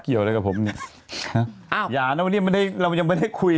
เกี่ยวอะไรกับผมเนี่ยอ้าวอย่านะวันนี้ไม่ได้เรายังไม่ได้คุย